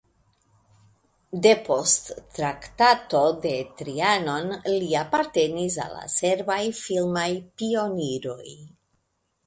Depost Traktato de Trianon li apartenis al la serbaj filmaj pioniroj.